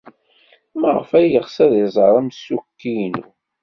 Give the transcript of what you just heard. Maɣef ay yeɣs ad iẓer amsukki-inu?